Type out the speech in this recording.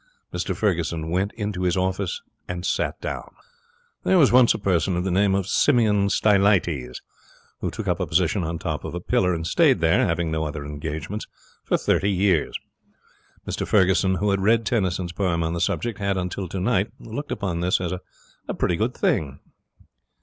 Mr Ferguson went into his office and sat down. There was once a person of the name of Simeon Stylites, who took up a position on top of a pillar and stayed there, having no other engagements, for thirty years. Mr Ferguson, who had read Tennyson's poem on the subject, had until tonight looked upon this as a pretty good thing.